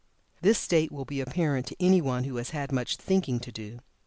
This state will be apparent to any one who has had much "thinking" to do.